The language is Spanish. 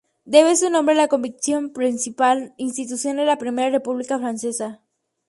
Debe su nombre a la Convention principal institución de la Primera República Francesa.